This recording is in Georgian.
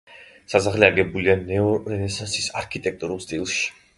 სასახლე აგებულია ნეორენესანსის არქიტექტურულ სტილში.